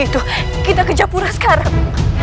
kalau begitu kita ke japura sekarang